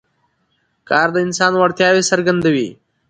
کار د انسان وړتیاوې څرګندوي